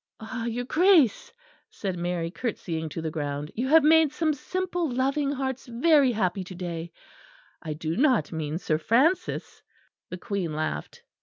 "Ah! your Grace," said Mary, curtseying to the ground, "you have made some simple loving hearts very happy to day I do not mean Sir Francis'." The Queen laughed.